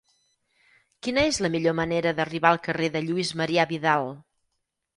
Quina és la millor manera d'arribar al carrer de Lluís Marià Vidal?